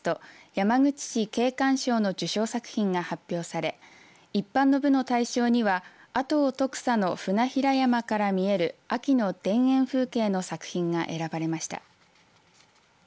山口市景観賞の受賞作品が発表され一般の部の大賞には阿東徳佐の船平山から見える秋の田園風景の作品が選ばれました。